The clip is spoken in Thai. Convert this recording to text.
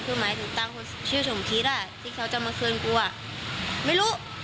คือหมายถึงตังค์คนชื่อสมคริสต์อ่ะที่เขาจะมาเชิญกูอ่ะไม่รู้